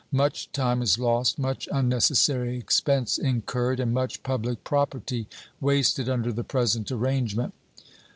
Much time is lost, much unnecessary expense incurred, and much public property wasted under the present arrangement.